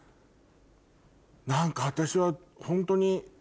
何か私はホントに。